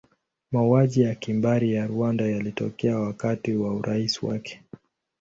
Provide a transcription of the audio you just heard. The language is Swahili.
Mauaji ya kimbari ya Rwanda yalitokea wakati wa urais wake.